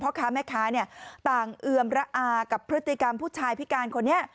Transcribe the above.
ค้าแม่ค้าต่างเอือมระอากับพฤติกรรมผู้ชายพิการคนนี้